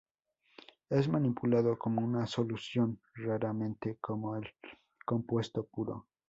Es manipulado como una solución, raramente como el compuesto puro.